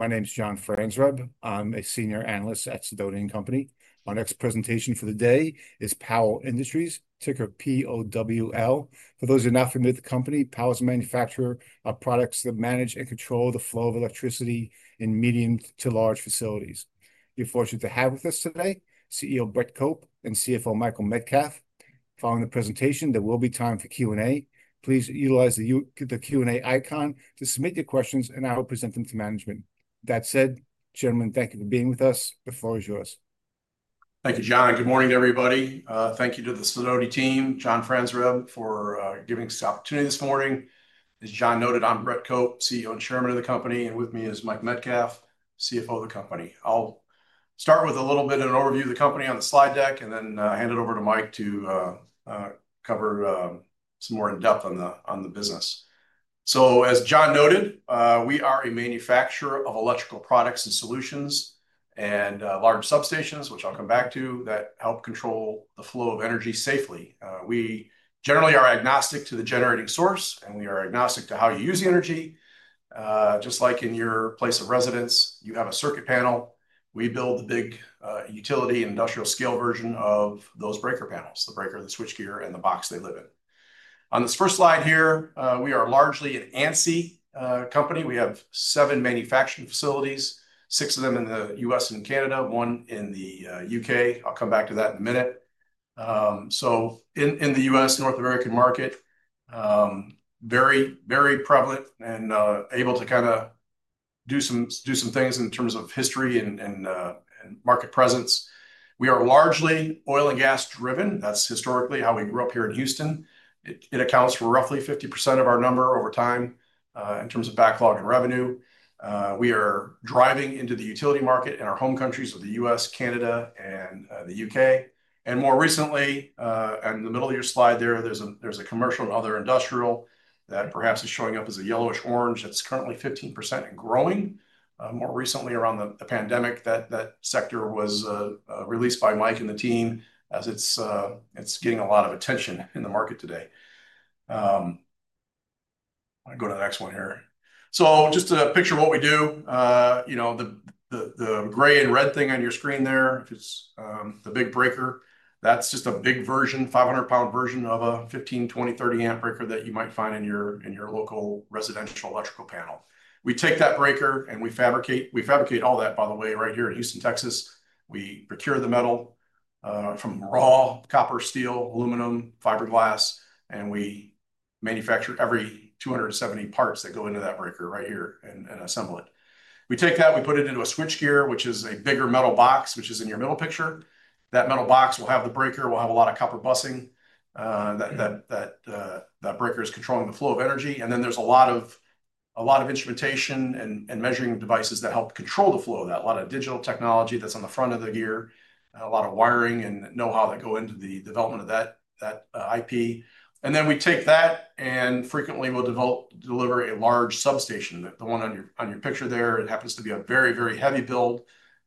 My name is John Franzreb. I'm a senior analyst at Sidoti and Company. Our next presentation for the day is Powell Industries ticker POWL. For those who are not familiar with the company, Powell is a manufacturer of products that manage and control the flow of electricity in medium to large facilities. You're fortunate to have with us today CEO Brett Cope and CFO Michael Metcalfe. Following the presentation, there will be time for Q and A. Please utilize the Q and A icon to submit your questions and I will present them to management. That said, gentlemen, thank you for being with us. The floor is yours. Thank you, John. Good morning to everybody. Thank you to the Sidoti team. John Franzreb, for giving us the opportunity this morning. As John noted, I'm Brett Cope, CEO and Chairman of the company and with me is Mike Metcalf, CFO of the company. I'll start with a little bit of an overview of the company on the slide deck and then hand it over to Mike to cover some more in depth on the, on the business. As John noted, we are a manufacturer of electrical products and solutions and large substations, which I'll come back to, that help control the flow of energy safely. We generally are agnostic to the generating source and we are agnostic to how you use the energy. Just like in your place of residence, you have a circuit panel. We build the big utility industrial scale version of those breaker panels, breaker the switchgear and the box they live in. On this first slide here, we are largely an ANSI company. We have seven manufacturing facilities, six of them in the U.S. and Canada, one in the U.K. I'll come back to that in a minute. In the U.S. North American market, very, very prevalent and able to kind of do some things in terms of history and market presence. We are largely oil and gas driven. That's historically how we grew up here in Houston. It accounts for roughly 50% of our number over time in terms of backlog and revenue. We are driving into the utility market in our home countries of the U.S., Canada, and the U.K., and more recently in the middle of your slide there, there's a commercial and other industrial that perhaps is showing up as a yellowish orange that's currently 15%. Growing more recently around the pandemic, that sector was released by Mike and the team as it's, it's getting a lot of attention in the market today. I go to the next one here. Just a picture of what we do, you know, the gray and red thing on your screen there. If it's the big breaker, that's just a big version, 500 lb version of a 15, 20, 30 amp breaker that you might find in your local residential electrical panel. We take that breaker and we fabricate. We fabricate all that, by the way, right here in Houston, Texas. We procure the metal from raw copper, steel, aluminum, fiberglass, and we manufacture every 270 parts that go into that breaker right here and assemble it. We take that, we put it into a switchgear, which is a bigger metal box, which is in your middle picture. That metal box will have the breaker, will have a lot of copper bussing. That breaker is controlling the flow of energy. There is a lot of instrumentation and measuring devices that help control the flow of that. A lot of digital technology is on the front of the gear, a lot of wiring and know-how that go into the development of that, that IP. We take that and frequently will develop, deliver a large substation, the one on your picture there. It happens to be a very, very heavy build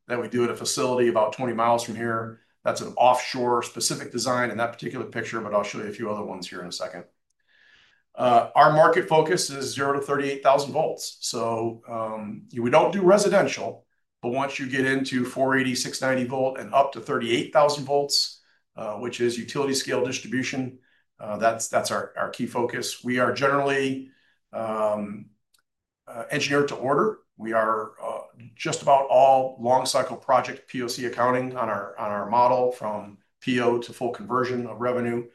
that we do at a facility about 20 miles from here. That is an offshore specific design in that particular picture. I will show you a few other ones here in a second. Our market focus is 0-38,000 volts. We don't do residential, but once you get into 480, 690 volt and up to 38,000 volts, which is utility scale distribution, that is our key focus. We are generally engineered to order. We are just about all long cycle project POC accounting on our model from PO to full conversion of revenue.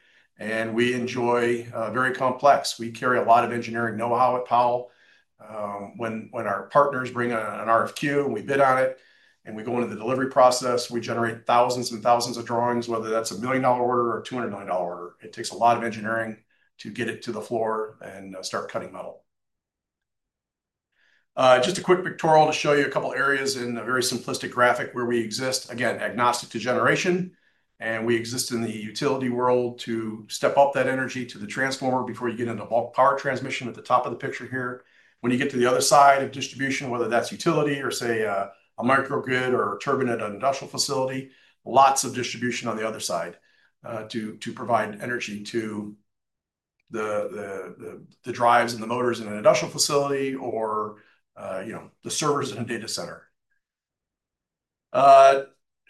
We enjoy very complex. We carry a lot of engineering know-how at Powell. When our partners bring an RFQ, we bid on it and we go into the delivery process. We generate thousands and thousands of drawings, whether that's a million dollar order or a $200 million order. It takes a lot of engineering to get it to the floor and start cutting metal. Just a quick pictorial to show you a couple areas in a very simplistic graphic where we exist, again agnostic to generation, and we exist in the utility world to step up that energy to the transformer before you get into bulk power transmission. At the top of the picture here, when you get to the other side of distribution, whether that's utility or say a microgrid or turbine at an industrial facility, lots of distribution on the other side to provide energy to the drives and the motors in an industrial facility or the servers in a data center.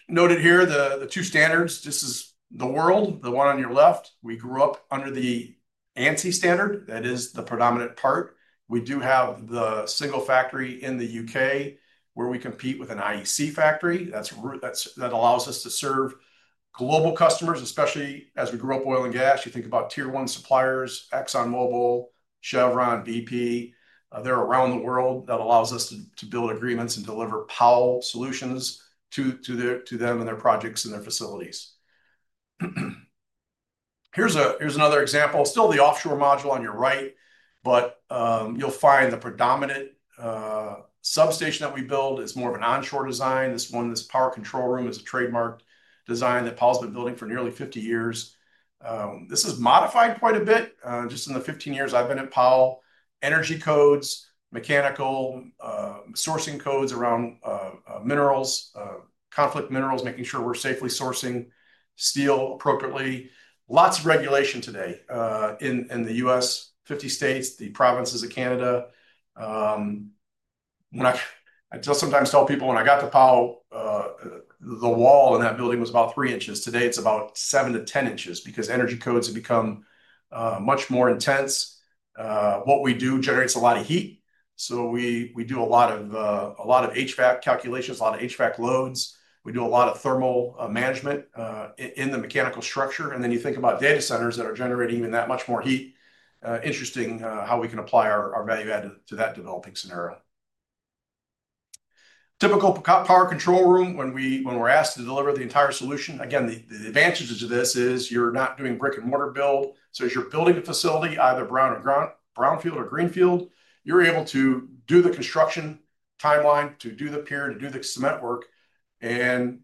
Noted here. The two standards, this is the world. The one on your left, we grew up under the ANSI standard. That is the predominant part. We do have the single factory in the U.K. where we compete with an IEC factory that allows us to serve global customers, especially as we grew up. Oil and gas. You think about tier one suppliers. ExxonMobil, Chevron, BP, they're around the world. That allows us to build agreements and deliver Powell solutions to, to them and their projects and their facilities. Here's another example, still the offshore module on your right. But you'll find the predominant substation that we build is more of an onshore design. This one, this Power Control Room, is a trademark design that Powell's been building for nearly 50 years. This is modified quite a bit just in the 15 years I've been at Powell. Energy codes, mechanical sourcing codes around minerals, conflict minerals, making sure we're safely sourcing steel appropriately. Lots of regulation today in the U.S., 50 states, the provinces of Canada. When I, I just sometimes tell people, when I got to Powell, the wall in that building was about 3 inches. Today it's about 7-10 inches. Because energy codes have become much more intense. What we do generates a lot of heat. We do a lot of HVAC calculations, a lot of HVAC loads, we do a lot of thermal management in the mechanical structure. You think about data centers that are generating that much more heat. Interesting how we can apply our value add to that developing scenario. Typical Power Control Room, when we're asked to deliver the entire solution. Again, the advantages of this is you're not doing brick and mortar build. As you're building a facility, either brown and ground, brownfield or greenfield, you're able to do the construction timeline, to do the pier, to do the cement work, and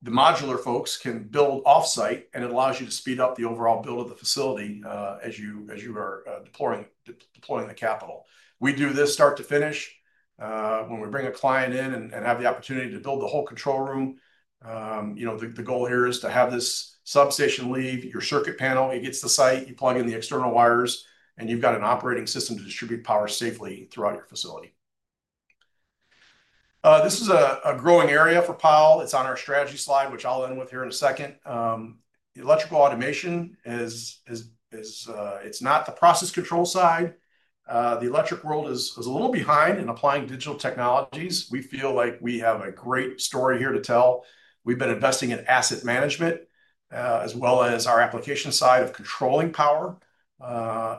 the modular folks can build off site. It allows you to speed up the overall build of the facility as you are deploying the capital. We do this start to finish when we bring a client in and have the opportunity to build the whole control room. The goal here is to have this substation leave your circuit panel, it gets to the site, you plug in the external wires and you've got an operating system to distribute power safely throughout your facility. This is a growing area for Powell. It's on our strategy slide, which I'll end with here in a second. Electrical automation. It's not the process control side. The electric world is a little behind in applying digital technologies. We feel like we have a great story here to tell. We've been investing in asset management as well as our application side of controlling power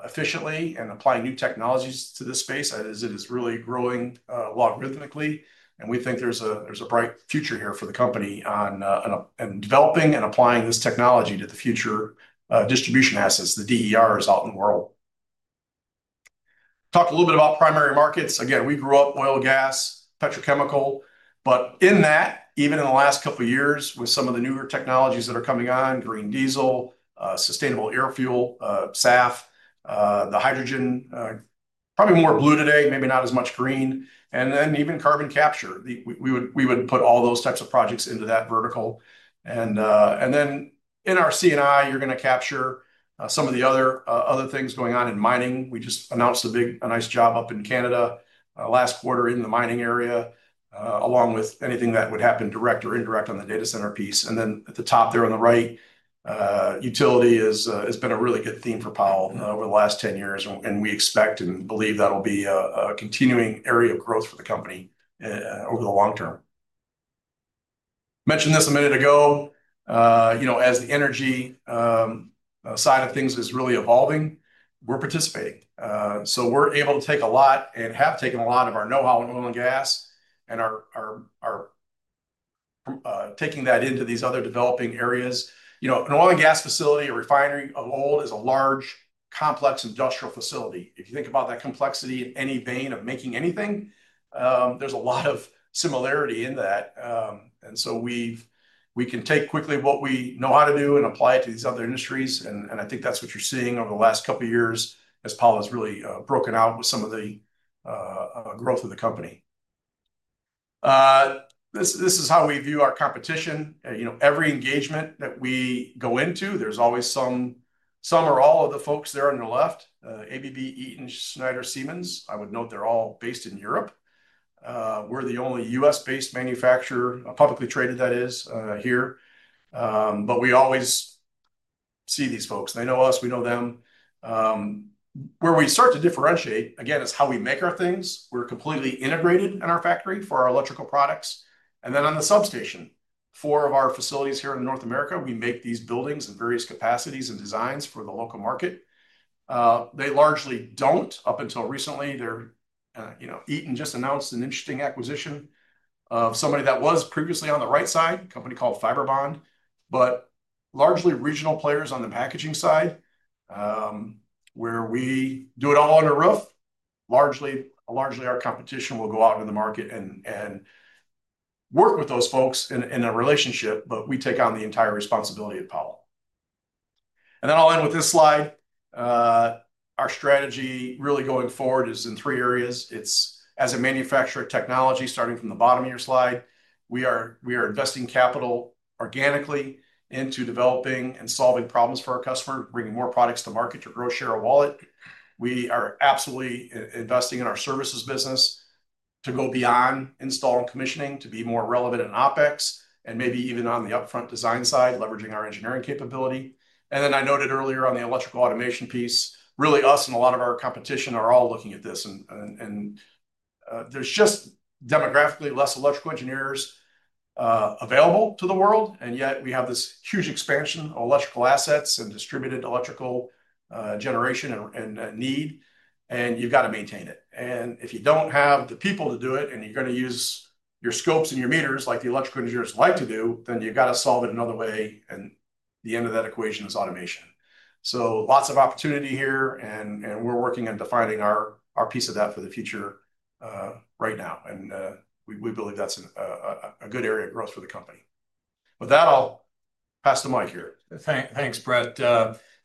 efficiently and applying new technologies to this space as it is really growing logarithmically. We think there's a bright future here for the company on developing and applying this technology to the future distribution assets. The DERs out in the world talked a little bit about primary markets. Again, we grew up oil, gas, petrochemical. Even in the last couple of years with some of the newer technologies that are coming on, green diesel, sustainable air fuel, SAF, the hydrogen, probably more blue today, maybe not as much green. Even carbon capture, we would put all those types of projects into that vertical. In our CNI, you're going to capture some of the other things going on in mining. We just announced a nice job up in Canada last quarter in the mining area along with anything that would happen direct or indirect on the data center piece, and then at the top there on the right, utility is, has been a really good theme for Powell over the last 10 years, and we expect and believe that will be a continuing area of growth for the company over the long term. Mentioned this a minute ago. You know, as the energy side of things is really evolving, we're participating, so we're able to take a lot and have taken a lot of our know-how in oil and gas and are taking that into these other developing areas. You know, an oil and gas facility, a refinery of old, is a large, complex industrial facility. If you think about that complexity in any vein of making anything, there's a lot of similarity in that. We can take quickly what we know how to do and apply it to these other industries. I think that's what you're seeing over the last couple years as Powell has really broken out with some of the growth of the company. This is how we view our competition. You know every engagement that we go into there's always some, some or all of the folks there on your left. ABB, Eaton, Schneider, Siemens. I would note they're all based in Europe. We're the only US based manufacturer publicly traded that is here. We always see these folks, they know us, we know them. Where we start to differentiate again is how we make our things. We're completely integrated in our factory for our electrical products and then on the substation four of our facilities here in North America. We make these buildings in various capacities and designs for the local market, they largely don't. Up until recently they're, you know, Eaton just announced an interesting acquisition of somebody that was previously on the right side. Company called Fiberbond, but largely regional players on the packaging side where we do it all under roof, largely our competition will go out into the market and work with those folks in a relationship, but we take on the entire responsibility at Powell. I'll end with this slide. Our strategy really going forward is in three areas. It's as a manufacturer, technology. Starting from the bottom of your slide, we are investing capital organically into developing and solving problems for our customers, bringing more products to market to grow share of wallet. We are absolutely investing in our services business to go beyond install and commissioning to be more relevant in OpEx and maybe even on the upfront design side, leveraging our engineering capability. I noted earlier on the electrical automation piece, really us and a lot of our competition are all looking at this and there's just demographically less electrical engineers available to the world. Yet we have this huge expansion of electrical assets and distributed electrical generation and need and you've got to maintain it. If you do not have the people to do it and you are going to use your scopes and your meters like the electrical engineers like to do, you have to solve it another way. The end of that equation is automation. Lots of opportunity here and we are working on defining our piece of that for the future right now. We believe that is a good area of growth for the company. With that, I will pass the mic here. Thanks, Brett.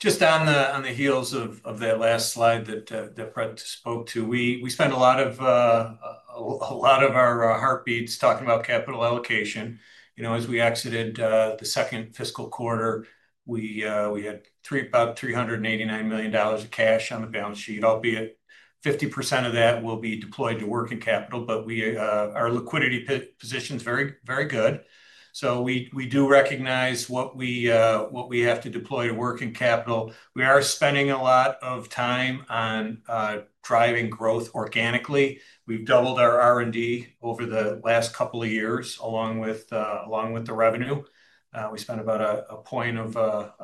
Just on the heels of that last slide that Brett spoke to, we spent a lot of our heartbeats talking about capital allocation. You know, as we exited the second fiscal quarter, we had about $389 million of cash on the balance sheet, albeit 50% of that will be deployed to working capital. Our liquidity position is very, very good. We do recognize what we have to deploy to working capital. We are spending a lot of time on driving growth organically. We've doubled our RD over the last couple of years along with the revenue. We spent about a point of our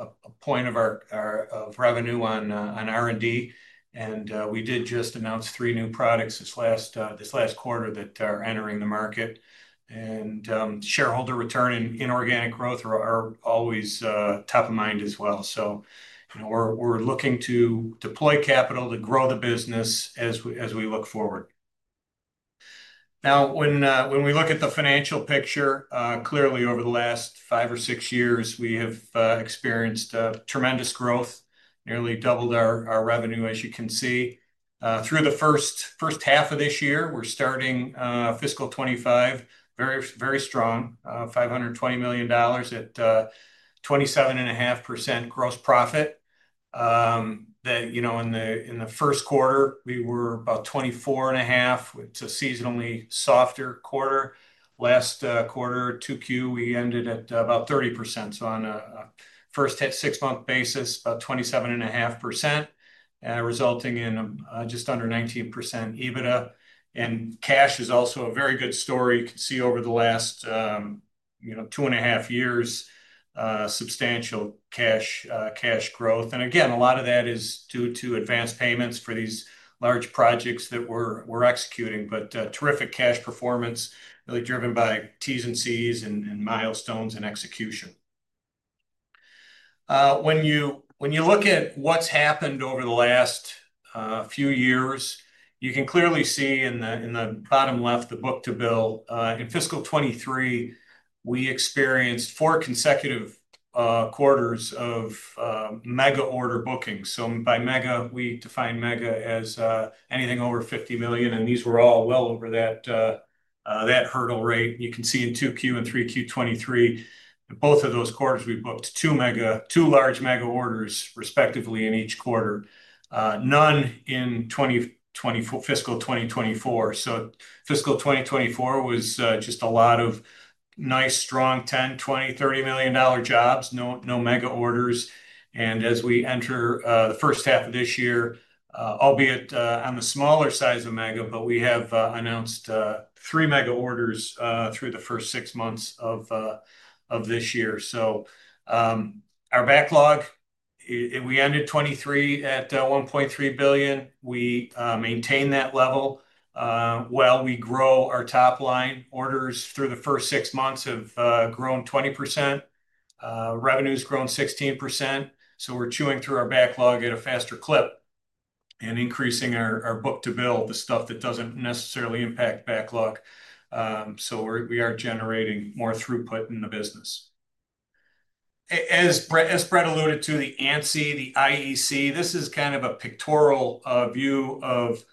revenue on our RD. We did just announce three new products this last quarter that are entering the market. Shareholder return and inorganic growth are always top of mind as well. We're looking to deploy capital to grow the business as we look forward. Now, when we look at the financial picture, clearly over the last five or six years we have experienced tremendous growth, nearly doubled our revenue. As you can see, through the first half of this year, we're starting fiscal 2025 very, very strong, $520 million at 27.5% gross profit. In the first quarter, we were about 24.5%. It's a seasonally softer quarter. Last quarter, 2Q, we ended at about 30%. On a first six month basis, about 27.5%, resulting in just under 19% EBITDA. Cash is also a very good story. You can see over the last two and a half years, substantial cash, cash growth and again, a lot of that is due to advance payments for these large projects that we're executing. Terrific cash performance really driven by T's and C's and milestones and execution. When you look at what's happened over the last few years, you can clearly see in the bottom left, the book to bill. In fiscal 2023, we experienced four consecutive quarters of mega order bookings. By mega, we define mega as anything over $50 million. These were all well over that hurdle rate you can see in 2Q and 3Q 2023. Both of those quarters we booked two mega, two large mega orders respectively in each quarter, none in 2024, fiscal 2024. Fiscal 2024 was just a lot of nice strong $10 million, $20 million, $30 million jobs, no mega orders. As we enter the first half of this year, albeit on the smaller size of mega, we have announced three mega orders through the first six months of this year. Our backlog, we ended 2023 at $1.3 billion. We maintain that level while we grow our top line. Orders through the first six months have grown 20%, revenue's grown 16%. We are chewing through our backlog at a faster clip and increasing our book to bill, the stuff that does not necessarily impact backlog. We are generating more throughput in the business. As Brett alluded to, the ANSI, the IEC, this is kind of a pictorial view of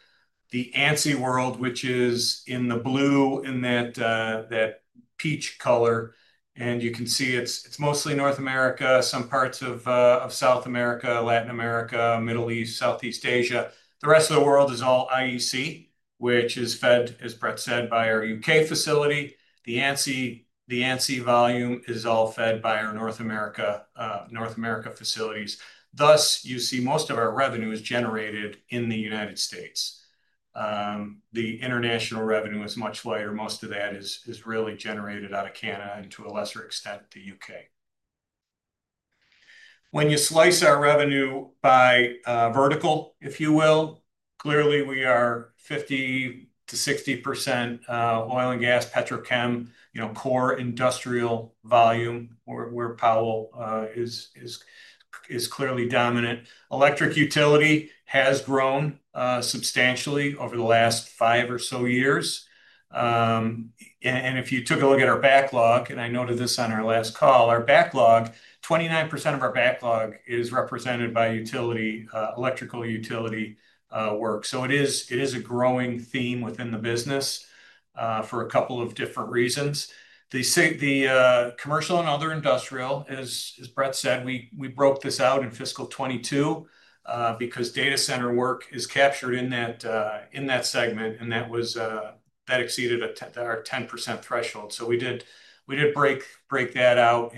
the ANSI world, which is in the blue, in that peach color. You can see it's mostly North America, some parts of South America, Latin America, Middle East, Southeast Asia. The rest of the world is all IEC, which is fed, as Brett said, by our U.K. facility, the ANSI. The ANSI volume is all fed by our North America facilities. Thus, you see most of our revenue is generated in the United States, the international revenue is much lighter. Most of that is really generated out of Canada and to a lesser extent the U.K. When you slice our revenue by vertical, if you will, clearly we are 50-60% oil and gas petrochem, you know, core industrial volume, where Powell is clearly dominant. Electric utility has grown substantially over the last five or so years. If you took a look at our backlog, and I noted this on our last call, our backlog, 29% of our backlog is represented by utility, electrical, utility work. It is a growing theme within the business for a couple of different reasons. They say the commercial and other industrial. As Brett said, we broke this out in fiscal 2022 because data center work is captured in that segment. That exceeded our 10% threshold. We did break that out.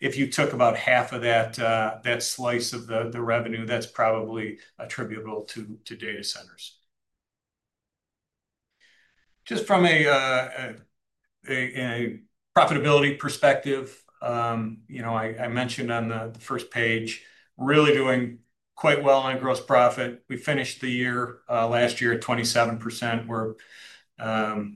If you took about half of that slice of the revenue, that's probably attributable to data centers. Just from a profitability perspective, I mentioned on the first page really doing quite well on gross profit. We finished the year last year at 27%.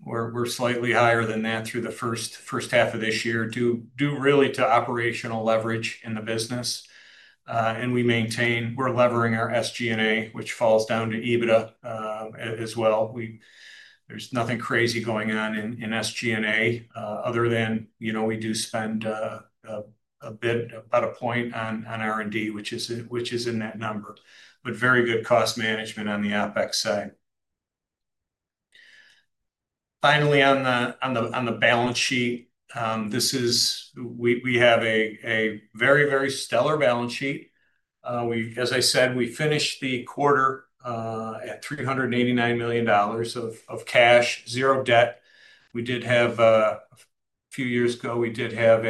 We're slightly higher than that through the first half of this year due really to operational leverage in the business. We maintain we're levering our SG&A, which falls down to EBITDA as well. There's nothing crazy going on in SG&A other than we do spend a bit, about a point, on R&D, which is in that number, but very good cost management on the OpEx side. Finally, on the balance sheet, we have a very, very stellar balance sheet. As I said, we finished the quarter at $389 million of cash, zero debt. A few years ago, we did have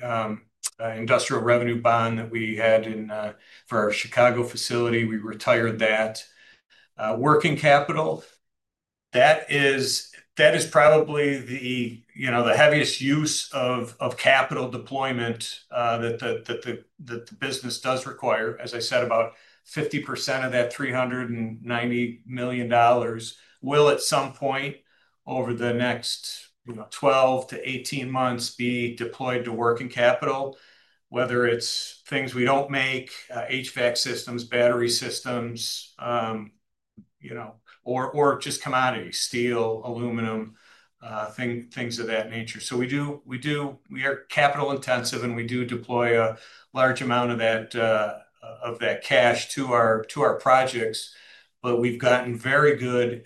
an industrial revenue bond that we had in for our Chicago facility. We retired that. Working capital, that is probably the, you know, the heaviest use of capital deployment that the business does require. As I said, about 50% of that $390 million will at some point over the next 12-18 months be deployed to working capital. Whether it's things we don't make, HVAC systems, battery systems, you know, or just commodities, steel, aluminum, things of that nature. We are capital intensive and we do deploy a large amount of that cash to our projects. We've gotten very good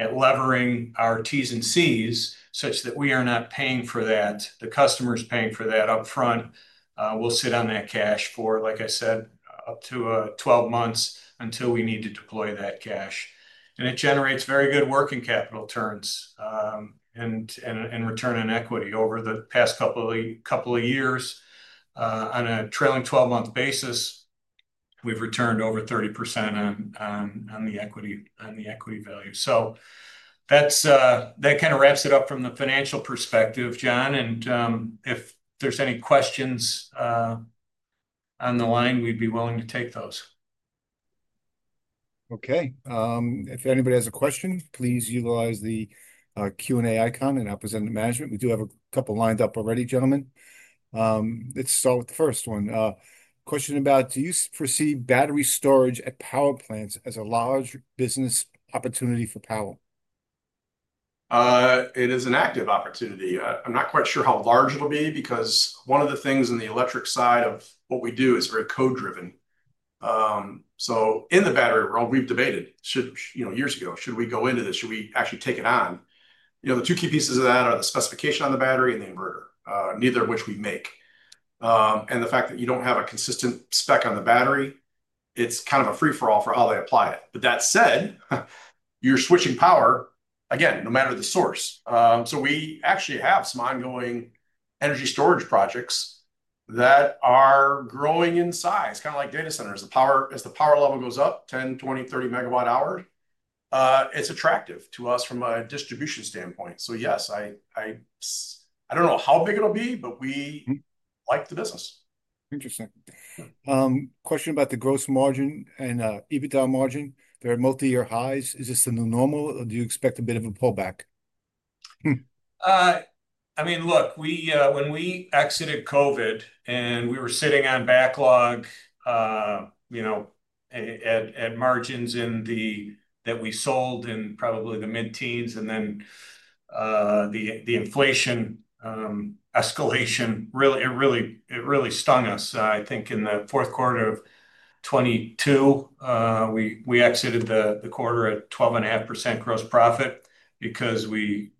at levering our T's and C's such that we are not paying for that. The customer's paying for that upfront. We'll sit on that cash for, like I said, up to 12 months until we need to deploy that cash. It generates very good working capital turns and return on equity. Over the past couple of years on a trailing 12 month basis, we've returned over 30% on the equity value. That kind of wraps it up from the financial perspective. John, if there's any questions on the line, we'd be willing to take those. Okay. If anybody has a question, please utilize the Q and A icon and represent the management. We do have a couple lined up already. Gentlemen, let's start with the first one. Question about do you foresee battery storage at power plants as a large business opportunity for Powell? It is an active opportunity. I'm not quite sure how large it'll be because one of the things in the electric side of what we do is very code driven. In the battery world we've debated, you know, years ago, should we go into this, should we actually take it on? The two key pieces of that are the specification on the battery and the inverter, neither of which we make. And the fact that you don't have a consistent spec on the battery. It's kind of a free for all for how they apply it. That said, you're switching power again no matter the source. We actually have some ongoing energy storage projects that are growing in size, kind of like data centers. The power, as the power level goes up 10, 20, 30 megawatt hours, it's attractive to us from a distribution standpoint. Yes, I don't know how big it'll be, but we like the business. Interesting question about the gross margin and EBITDA margin. There are multi-year highs. Is this the new normal or do you expect a bit of a pullback? I mean look, we, when we exited COVID and we were sitting on backlog, you know, at margins in the, that we sold in probably the mid teens and then the inflation escalation really, it really stung us. I think in the fourth quarter of, we exited the quarter at 12.5% gross profit because we,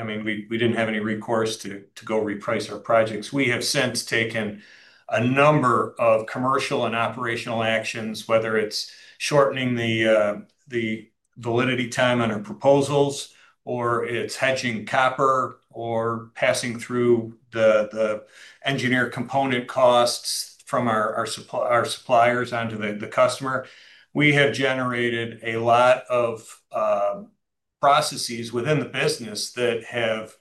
I mean we did not have any recourse to go reprice our projects. We have since taken a number of commercial and operational actions. Whether it is shortening the validity time on our proposals or it is hedging copper or passing through the engineer component costs from our suppliers onto the customer. We have generated a lot of processes within the business that have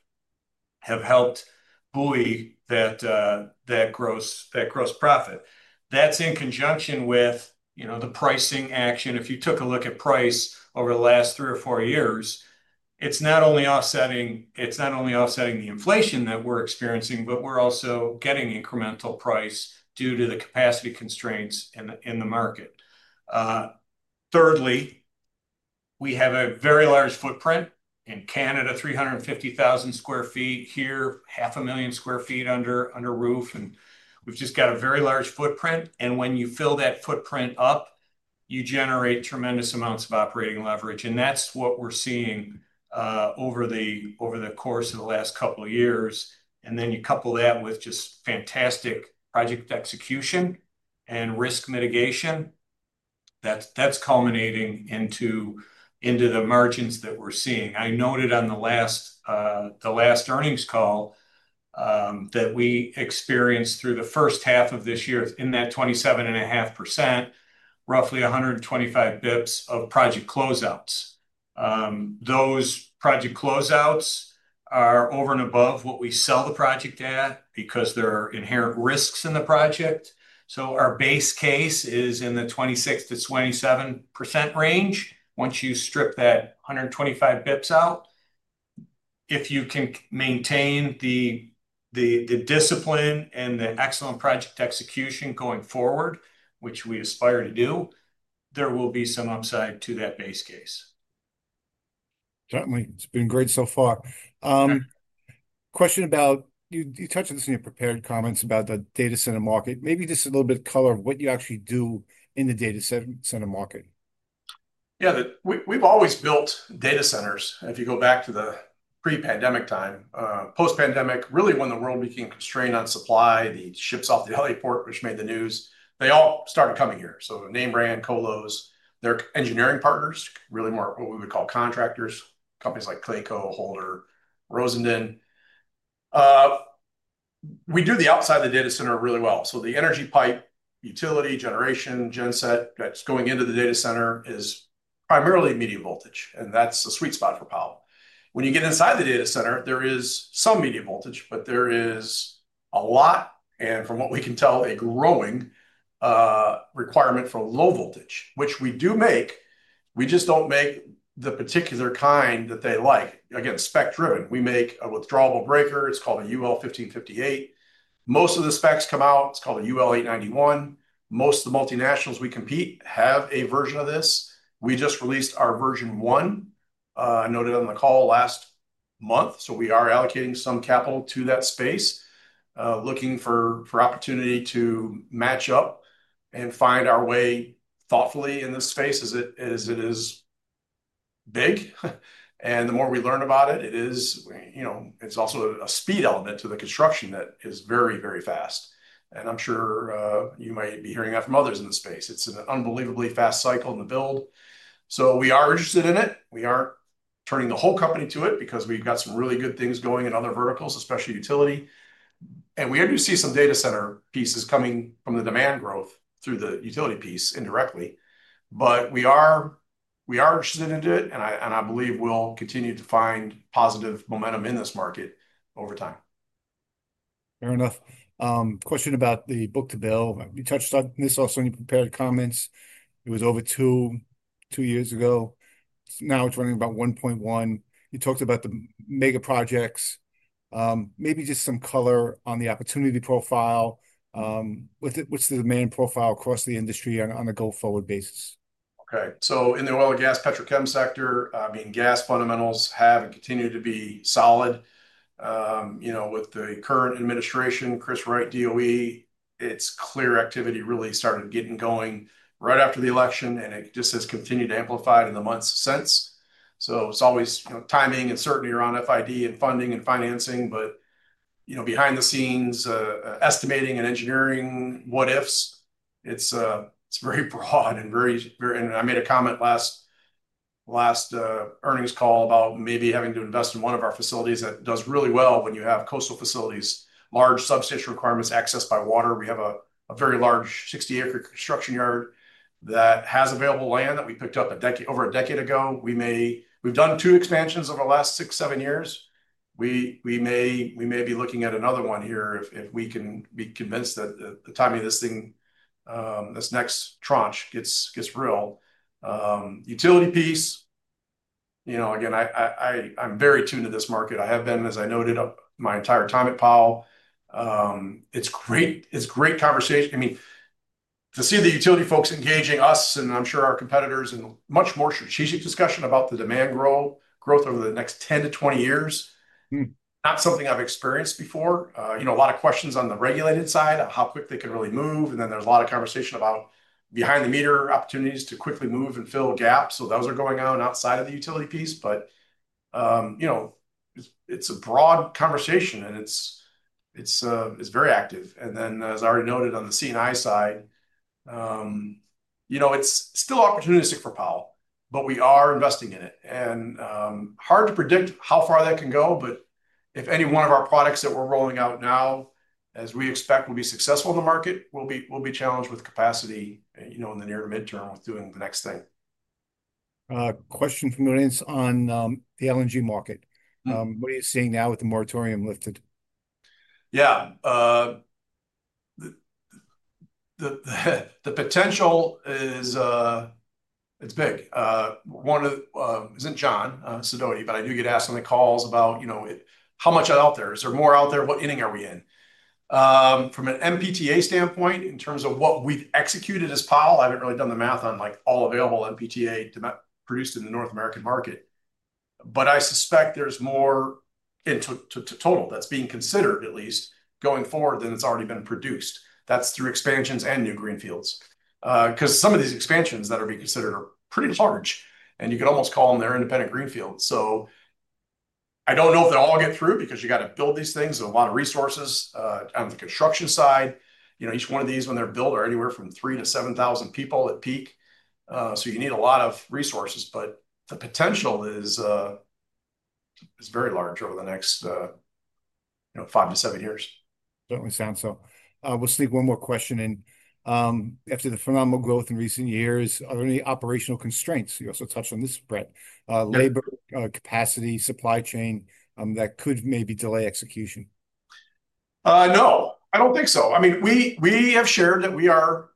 helped buoy that gross, that gross profit that is in conjunction with, you know, the pricing action. If you took a look at price over the last three or four years, it's not only offsetting the inflation that we're experiencing, but we're also getting incremental price due to the capacity constraints in the market. Thirdly, we have a very large footprint in Canada. 350,000 sq ft here, $500,000 sq ft under roof. We have just a very large footprint. When you fill that footprint up, you generate tremendous amounts of operating leverage. That is what we're seeing over the course of the last couple of years. You couple that with just fantastic project execution and risk mitigation that is culminating into the margins that we're seeing. I noted on the last, the last earnings call that we experienced through the first half of this year in that 27.5%—roughly 125 basis points of project closeouts. Those project closeouts are over and above what we sell the project at because there are inherent risks in the project. So our base case is in the 26%-27% range. Once you strip that 125 basis points out, if you can maintain the discipline and the excellent project execution going forward, which we aspire to do, there will be some upside to that base case. Certainly it's been great so far. Question about, you touched on this in your prepared comments about the data center market. Maybe just a little bit of color of what you actually do in the data center market. Yeah, we've always built data centers. If you go back to the pre pandemic time, post pandemic really when the world became constrained on supply, the ships off the Los Angeles port which made the news, they all started coming here. So name brand colos, their engineering partners, really more what we would call contractors, companies like Clayco, Holder, Rosendin, we do the outside the data center really well. So the energy pipe, utility generation, genset that's going into the data center is primarily medium voltage and that's a sweet spot for Powell. When you get inside the data center, there is some medium voltage but there is a lot and from what we can tell, a growing voltage requirement for low voltage which we do make. We just don't make the particular kind that they like. Again, spec driven, we make a withdrawable breaker. It's called a UL 1558. Most of the specs come out, it's called a UL 891. Most of the multinationals we compete have a version of this. We just released our version one I noted on the call last month. We are allocating some capital to that space looking for opportunity to match up and find our way thoughtfully in this space as it is big and the more we learn about it, you know, it's also a speed element to the construction that is very, very fast and I'm sure you might be hearing that from others in the space. It's an unbelievably fast cycle in the build. We are interested in it. We aren't turning the whole company to it because we've got some really good things going in other verticals, especially utility, and we do see some data center pieces coming from the demand growth through the utility piece indirectly. We are interested into it and I believe we'll continue to find positive momentum in this market over time. Fair enough. Question about the book to bill. You touched on this also in your prepared comments. It was over two years ago. Now it's running about 1.1. You talked about the mega projects. Maybe just some color on the opportunity profile with what's the demand profile across the industry on a go forward basis. Okay. So in the oil and gas petrochem sector, I mean gas fundamentals have and continue to be solid. You know, with the current administration, it's clear activity really started getting going right after the election and it just has continued to amplify in the months since. It's always timing and certainty around FID and funding and financing. You know, behind the scenes estimating and engineering what ifs, it's very broad and very, very, and I made a comment last earnings call about maybe having to invest in one of our facilities. That does really well when you have coastal facilities, large substation requirements accessed by water. We have a very large 60 acre construction yard that has available land that we picked up over a decade ago. We may, we've done two expansions over the last six, seven years. We may be looking at another one here if we can be convinced that the timing of this thing, this next tranche, gets real utility piece. You know, again, I'm very tuned to this market. I have been, as I noted, my entire time at Powell. It's great, it's great conversation. I mean, to see the utility folks engaging us and I'm sure our competitors in much more strategic discussion about the demand growth over the next 10-20 years. Not something I've experienced before, you know, a lot of questions on the regulated side how quick they can really move. And then there's a lot of conversation about behind the meter opportunities to quickly move and fill gaps. Those are going on outside of the utility piece. You know, it's a broad conversation and it's very active. As I already noted on the CNI side, it's still opportunistic for Powell, but we are investing in it and hard to predict how far that can go. If any one of our products that we're rolling out now, as we expect, will be successful in the market, we'll be challenged with capacity in the near to midterm with doing the next thing. Question from the ROTH on LNG market, what are you seeing now with the moratorium lifted? Yeah, the potential is, it's big. One of isn't John Sedoti, but I do get asked on the calls about, you know, how much out there, is there more out there, what inning are we in from an MPTA standpoint in terms of what we've executed as Powell? I haven't really done the math on like all available MPTA produced in the North American market, but I suspect there's more in total that's being considered, at least going forward than it's already been produced. That's through expansions and new greenfields. Because some of these expansions that are being considered are pretty large and you could almost call them their independent greenfield. I don't know if they all get through because you got to build these things. A lot of resources on the construction side, you know, each one of these when they're built are anywhere from 3,000-7,000 people at peak. You need a lot of resources, but the potential is very large over the next five to seven years. Certainly sounds. We'll sneak one more question in. After the phenomenal growth in recent years, are there any operational constraints? You also touched on this, Brett, labor capacity, supply chain, that could maybe delay execution? No, I don't think so. I mean we have shared that we are,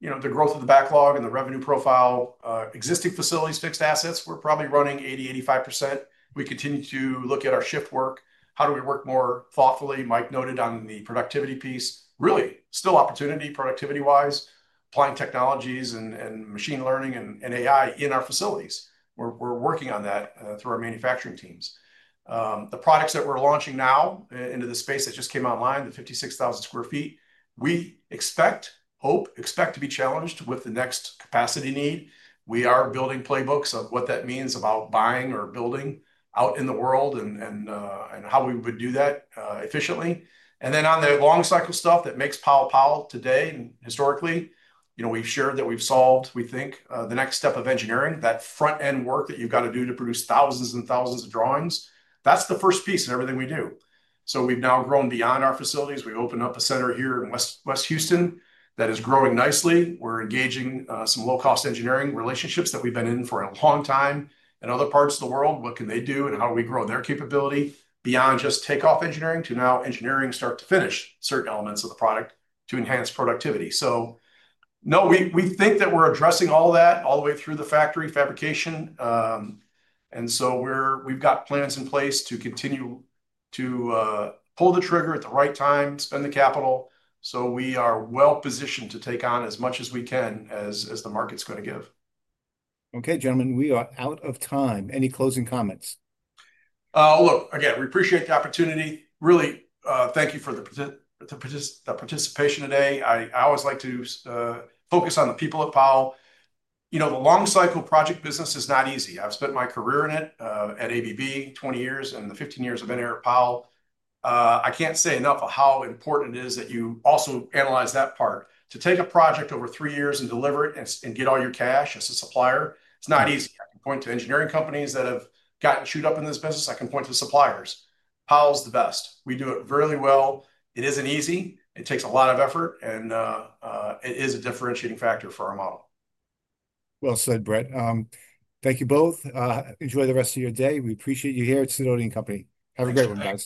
you know, the growth of the backlog and the revenue profile, existing facilities, fixed assets, we're probably running 80-85%. We continue to look at our shift work. How do we work more thoughtfully? Mike noted on the productivity piece really still opportunity, productivity wise, applying technologies and machine learning and AI in our facilities. We're working on that through our manufacturing teams. The products that we're launching now into the space that just came online. The 56,000 sq ft. We expect, hope, expect to be challenged with the next capacity need. We are building playbooks of what that means about buying or building out in the world and how we would do that efficiently. On the long cycle stuff that makes Powell Powell today. Historically we've shared that we've solved, we think, the next step of engineering, that front end work that you've got to do to produce thousands and thousands of drawings. That's the first piece of everything we do. We've now grown beyond our facilities. We opened up a center here in west west Houston that is growing nicely. We're engaging some low cost engineering relationships that we've been in for a long time in other parts of the world. What can they do and how do we grow their capability beyond just takeoff engineering to now engineering start to finish certain elements of the product to enhance productivity. We think that we're addressing all that all the way through the factory fabrication. We've got plans in place to continue to pull the trigger at the right time, spend the capital. We are well positioned to take on as much as we can as the market's going to give. Okay gentlemen, we are out of time. Any closing comments? Look again, we appreciate the opportunity, really. Thank you for the participation today. I always like to focus on the people of Powell. You know, the long cycle project business is not easy. I've spent my career in IT at ABB 20 years. And the 15 years I've been here at Powell, I can't say enough of how important it is that you also analyze that part. To take a project over three years and deliver it and get all your cash as a supplier, it's not easy. I can point to engineering companies that have gotten chewed up in this business. I can point to suppliers. Powell's the best. We do it really well. It isn't easy. It takes a lot of effort and it is a differentiating factor for our model. Thank you both. Enjoy the rest of your day. We appreciate you here at Sidoti and Company. Have a great one guys.